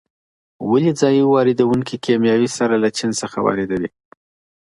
ولې ځايي واردوونکي کیمیاوي سره له چین څخه واردوي؟